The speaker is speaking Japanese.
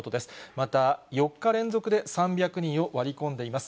また、４日連続で３００人を割り込んでいます。